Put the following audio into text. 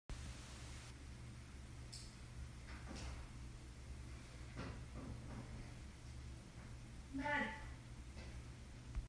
Kan bia na kan caih kho lai maw?